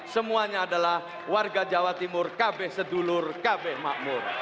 semuanya adalah warga jawa timur kb sedulur kb makmur